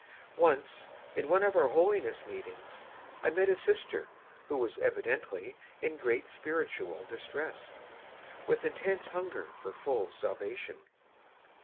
O NCE in one of our holiness meetings, I met a sister, who was evidently in great spiritual distress, with intense hunger for full salvation.